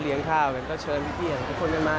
ก็เลี้ยงข้าวกันก็เชิญพี่แล้วก็คนกันมา